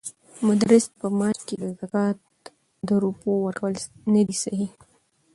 مدرس ته په معاش کې د زکات د روپيو ورکول ندی صحيح؛